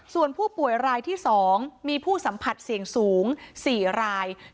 ส่วนผู้ป่วยรายที่๒มีผู้สัมผัสเสี่ยงสูง๔ราย